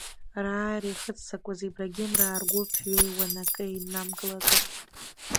Рааира иахыццакуаз Ибрагимраа ргәыԥ ҩеиуан акы иннамкылаӡо.